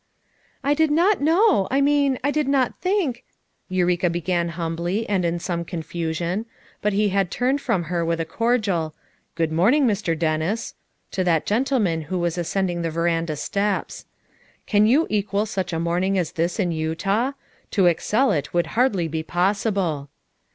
"I did not know, I mean — I did not think —" Eureka began humbly, and in some confusion, but he had turned from her with a cordial: "Good morning, Mr. Dennis," to that gentle man who was ascending the veranda steps. "Can you equal such a morning as this in Utah? To excel it would hardly be possible."